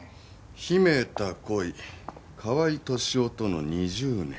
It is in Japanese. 『秘めた恋河合敏夫との二十年』。